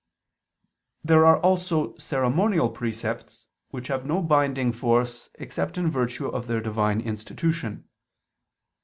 There are also ceremonial precepts, which have no binding force except in virtue of their Divine institution.